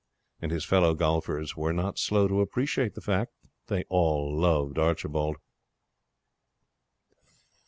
and his fellow golfers were not slow to appreciate the fact. They all loved Archibald.